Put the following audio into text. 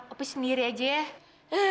opi sendiri aja ya